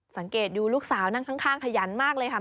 สังเกตดูลูกสาวนั่งข้างขยันมากเลยค่ะ